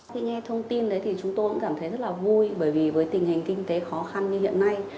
khi nghe thông tin đấy thì chúng tôi cũng cảm thấy rất là vui bởi vì với tình hình kinh tế khó khăn như hiện nay